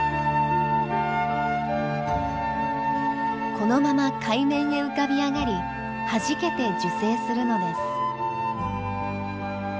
このまま海面へ浮かび上がりはじけて受精するのです。